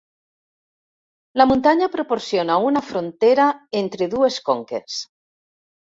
La muntanya proporciona una frontera entre dues conques.